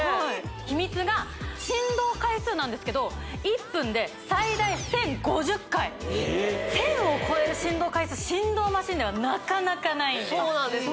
秘密が振動回数なんですけど１分で最大１０５０回１０００を超える振動回数振動マシンではなかなかないですそうなんですよ・